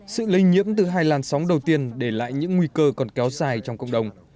sự lây nhiễm từ hai làn sóng đầu tiên để lại những nguy cơ còn kéo dài trong cộng đồng